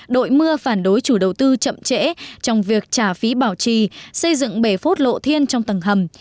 đội mưa phản đối chủ đầu tư chậm trễ trong việc trả phí bảo trì xây dựng bể phốt lộ thiên trong tầng hầm